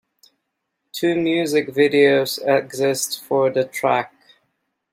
Two music videos exist for the track.